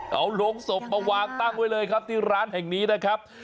เอาโรงศพมาวางตั้งไว้เลยครับที่ร้านแห่งนี้นะครับ